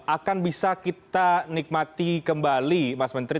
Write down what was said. akan bisa kita nikmati kembali mas menteri